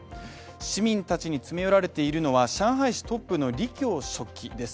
市民たちに詰め寄られているのは上海市とっぷの李強書記です。